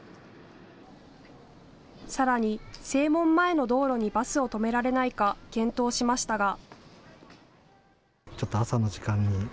さらに正門前の道路にバスを止められないか検討しましたが。